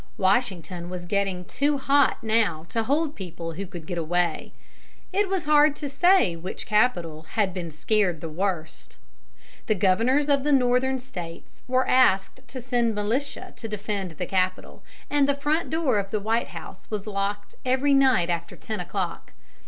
Washington was getting too hot now to hold people who could get away. It was hard to say which capital had been scared the worst. The Governors of the Northern States were asked to send militia to defend the capital, and the front door of the White House was locked every night after ten o'clock.